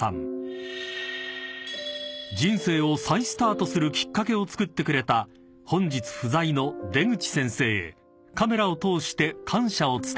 ［人生を再スタートするきっかけをつくってくれた本日不在の出口先生へカメラを通して感謝を伝えます］